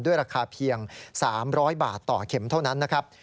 ราคาเพียง๓๐๐บาทต่อเข็มเท่านั้นนะครับ